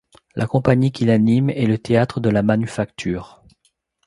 La compagnie qui l'anime est le théâtre de la Manufacture.